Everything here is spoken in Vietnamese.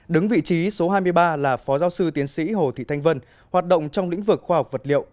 đứng vị trí số hai mươi ba là phó giáo sư tiến sĩ hồ thị thanh vân hoạt động trong lĩnh vực khoa học vật liệu